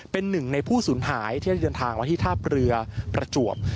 เป็นหนึ่งในผู้สูญหายที่ได้เดินทางมาที่ท่าเรือประจวบ